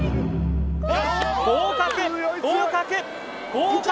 合格合格合格